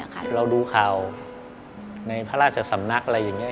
เราดูข่าวในพระราชสำนักอะไรอย่างนี้